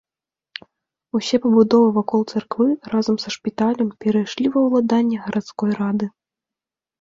Усе пабудовы вакол царквы разам са шпіталем перайшлі ва ўладанне гарадской рады.